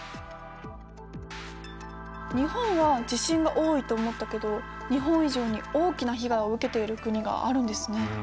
日本は地震が多いと思ったけど日本以上に大きな被害を受けている国があるんですね。